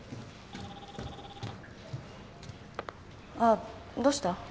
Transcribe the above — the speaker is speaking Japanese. あっどうした？